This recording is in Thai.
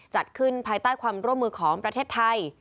จัดขึ้นภายใต้ความร่วมมือของประเทศไทย